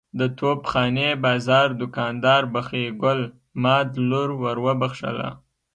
د توپ خانې بازار دوکاندار بخۍ ګل ماد لور ور وبخښله.